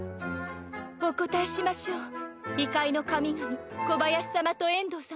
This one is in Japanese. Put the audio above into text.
お答えしましょう異界の神々小林様と遠藤様。